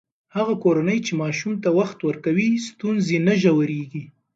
هغه کورنۍ چې ماشوم ته وخت ورکوي، ستونزې نه ژورېږي.